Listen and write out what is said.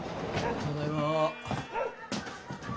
ただいま。